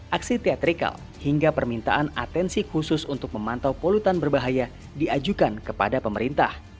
aksi teatrikal hingga permintaan atensi khusus untuk memantau polutan berbahaya diajukan kepada pemerintah